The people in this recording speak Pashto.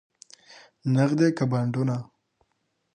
نغدې که بانډونه؟